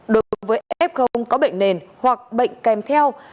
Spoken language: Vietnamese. đối với f có bệnh nền hoặc bệnh kèm theo